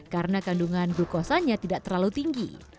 karena kandungan glukosanya tidak terlalu tinggi